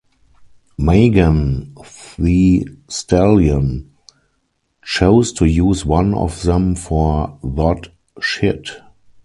Megan Thee Stallion chose to use one of them for "Thot Shit".